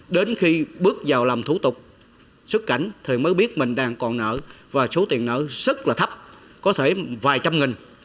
đến khi bước vào làm thủ tục xuất cảnh thì mới biết mình đang còn nợ và số tiền nợ rất là thấp có thể vài trăm nghìn